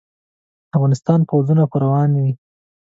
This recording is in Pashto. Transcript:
د افغانستان پوځونه به روان وي.